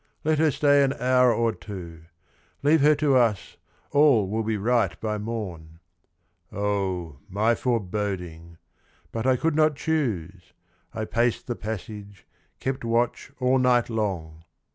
' Let her stay an hour or two I Leave her to us, all will be right by morn.' Oh 1 my foreboding ! But I could not choose. I paced the passage, kept watch all night long.